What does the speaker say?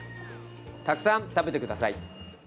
たくさん食べてください！